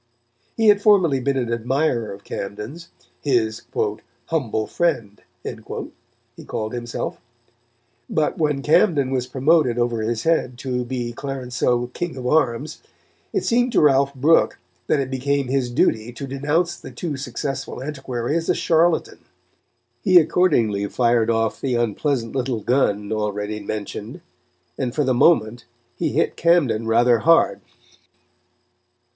He had formerly been an admirer of Camden's, his "humble friend," he called himself; but when Camden was promoted over his head to be Clarenceux King of Arms, it seemed to Ralph Brooke that it became his duty to denounce the too successful antiquary as a charlatan. He accordingly fired off the unpleasant little gun already mentioned, and, for the moment, he hit Camden rather hard.